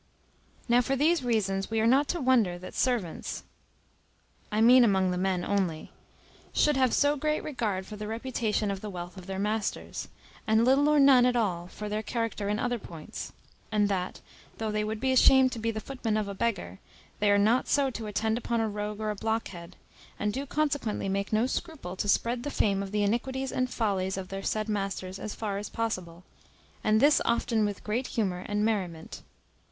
Now for these reasons we are not to wonder that servants (I mean among the men only) should have so great regard for the reputation of the wealth of their masters, and little or none at all for their character in other points, and that, though they would be ashamed to be the footman of a beggar, they are not so to attend upon a rogue or a blockhead; and do consequently make no scruple to spread the fame of the iniquities and follies of their said masters as far as possible, and this often with great humour and merriment.